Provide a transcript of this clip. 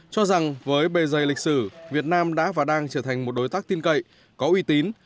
cho rằng với bề dày lịch sử việt nam đã và đang trở thành một đối tác tin cậy có uy tín